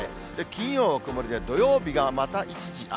金曜、曇りで、土曜日がまた一時雨。